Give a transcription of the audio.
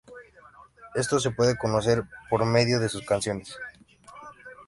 Esto se puede conocer por medio de sus canciones.